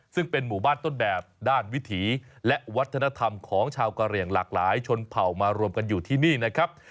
ซึ่งเป็นหมู่บ้านต้นแบบด้านวิถีและวัฒนธรรมของชาวกะเหลี่ยงหลากหลายชนเผ่ามารวมกันอยู่ที่นี่นะครับ